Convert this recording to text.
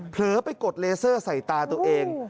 เผลอไปกดเลเซอร์ใส่ตาตัวเอง